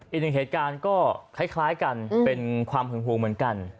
อีกหนึ่งเหตุการณ์ก็คล้ายกันเป็นความหึงหวงเหมือนกัน